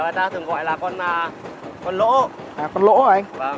đi tàu thì đừng có nằm bên ống xả